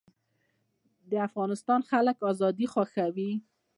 د افغانستان خلک ازادي خوښوي